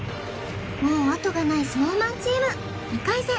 もうあとがないＳｎｏｗＭａｎチーム２回戦